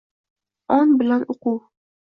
on bilan uquv